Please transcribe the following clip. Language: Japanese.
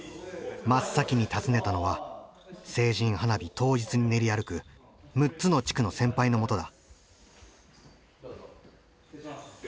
真っ先に訪ねたのは成人花火当日に練り歩く６つの地区の先輩のもとだ。